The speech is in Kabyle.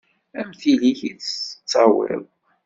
Am tili-k i tt-tettawiḍ.